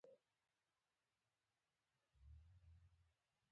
نو خدائے به د هغو نه خوشاله وي ـ